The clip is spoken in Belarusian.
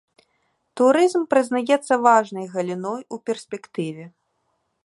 Турызм прызнаецца важнай галіной у перспектыве.